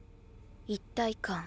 一体感。